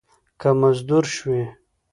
که مزدور شوې